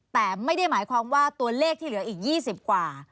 แต่ไม่ได้หมายความว่าตัวเลขที่เหลืออีก๒๐กว่า